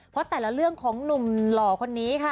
เพราะแต่ละเรื่องของหนุ่มหล่อคนนี้ค่ะ